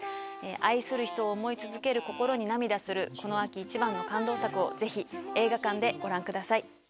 愛する人を思い続ける心に涙するこの秋いちばんの感動作を是非映画館でご覧ください。